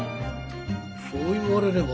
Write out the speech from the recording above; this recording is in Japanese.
そう言われれば